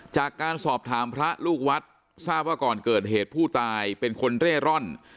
จากการสอบถามพระลูกวัดทราบว่าก่อนเกิดเหตุผู้ตายเป็นคนเร่ร่อน